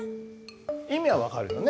意味は分かるよね？